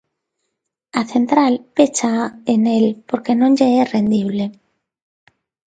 A central péchaa Enel porque non lle é rendible.